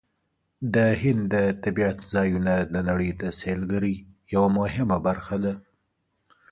د هند د طبیعت ځایونه د نړۍ د سیلګرۍ یوه مهمه برخه ده.